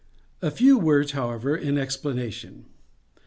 A few words, however, in explanation.